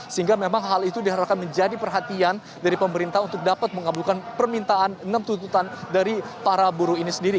sehingga memang hal itu diharapkan menjadi perhatian dari pemerintah untuk dapat mengabulkan permintaan enam tuntutan dari para buruh ini sendiri